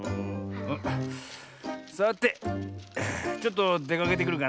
さてちょっとでかけてくるかなあ。